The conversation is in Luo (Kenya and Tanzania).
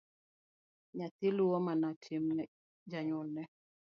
Nyathi luwo mana tim janyuolne.